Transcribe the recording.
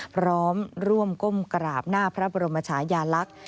พร้อมร่วมก้มกราบหน้าพระบรมชายาลักษณ์